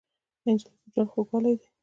نجلۍ د ژوند خوږوالی دی.